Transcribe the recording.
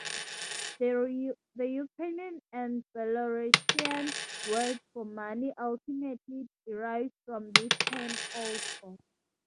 The Ukrainian and Belarusian word for money, ', ultimately derives from this term also.